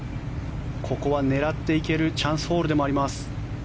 ここは狙っていけるチャンスホールでもあります。